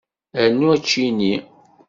Rnu aččini.